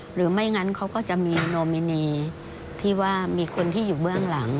หรือไม่งั้นเขาก็จะมีโนมินีที่ว่ามีคนที่อยู่เบื้องหลัง